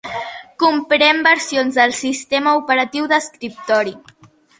Comprèn versions del sistema operatiu d'escriptori